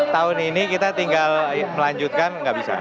tahun ini kita tinggal melanjutkan nggak bisa